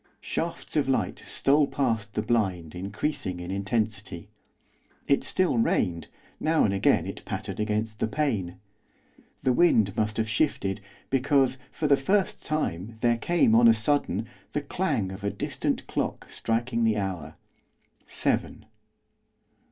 Shafts of light stole past the blind, increasing in intensity. It still rained, now and again it pattered against the pane. The wind must have shifted, because, for the first time, there came, on a sudden, the clang of a distant clock striking the hour, seven.